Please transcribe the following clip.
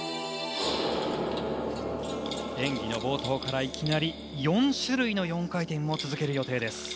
演技の冒頭からいきなり４種類の４回転を続ける予定です。